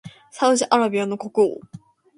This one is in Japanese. サウジアラビアの国王